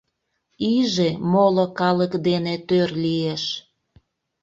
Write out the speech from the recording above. иже, моло калык дене тӧр лиеш.